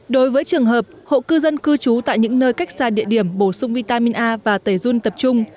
đối với trường hợp hộ cư dân cư trú tại những nơi cách xa địa điểm bổ sung vitamin a và tẩy run tập trung